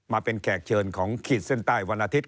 มาเป็นแขกเชิญของขีดเส้นใต้วันอาทิตย